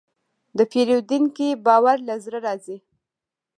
د پیرودونکي باور له زړه راځي.